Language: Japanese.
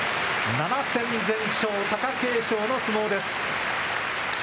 ７戦全勝、貴景勝の相撲です。